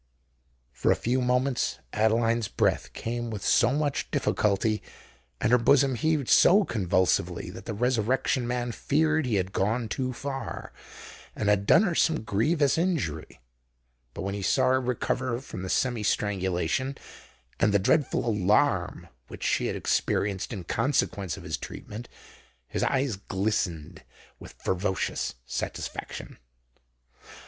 For a few moments Adeline's breath came with so much difficulty, and her bosom heaved so convulsively, that the Resurrection Man feared he had gone too far, and had done her some grievous injury: but when he saw her recover from the semi strangulation and the dreadful alarm which she had experienced in consequence of his treatment, his eyes glistened with ferocious satisfaction.